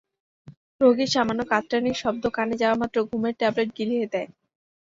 রোগীর সামান্য কাতরানির শব্দ কানে যাবামাত্র ঘুমের ট্যাবলেট গিলিয়ে দেয়।